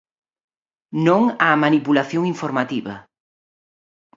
Non á manipulación informativa.